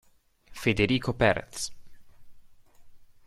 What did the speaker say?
Federico Pérez